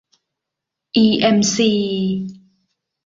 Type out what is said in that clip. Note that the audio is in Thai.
อีเอ็มซี